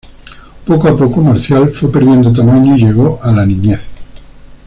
Poco a poco Marcial fue perdiendo tamaño y llegó a la niñez.